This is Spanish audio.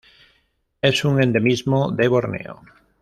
Es un endemismo de Borneo.